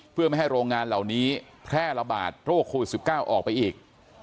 เพื่อไม่ให้โรงงานเหล่านี้แพร่ระบาดโรคโควิด๑๙ออกไปอีก